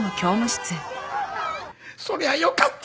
そりゃよかった！